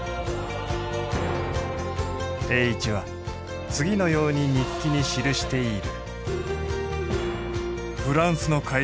栄一は次のように日記に記している。